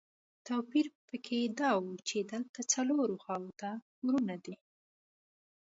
توپیر په کې دا و چې دلته څلورو خواوو ته کورونه دي.